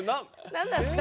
何なんですか？